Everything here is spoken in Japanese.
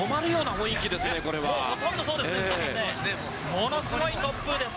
ものすごい風です。